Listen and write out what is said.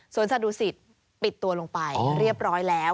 สวนสะดุสิตปิดตัวลงไปเรียบร้อยแล้ว